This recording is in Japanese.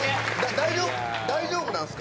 大丈夫なんすか？